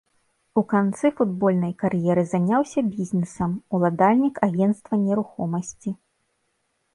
У канцы футбольнай кар'еры заняўся бізнесам, уладальнік агенцтва нерухомасці.